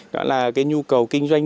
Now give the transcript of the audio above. nhu cầu kinh doanh